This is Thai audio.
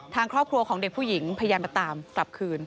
ทางครอบครัวของเด็กผู้หญิงพยายามมาตามกลับคืน